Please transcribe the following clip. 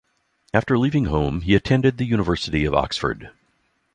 After leaving home he attended the University of Oxford.